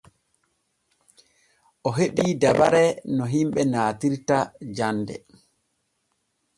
O heɓii dabare no himɓe naatirta jande.